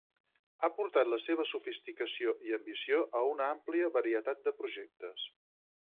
Ha portat la seva sofisticació i ambició a una àmplia varietat de projectes.